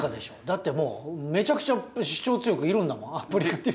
だってもうめちゃくちゃ主張強くいるんだもんプリカティリスがさ。